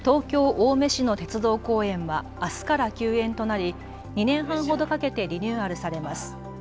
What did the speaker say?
青梅市の鉄道公園はあすから休園となり、２年半ほどかけてリニューアルされます。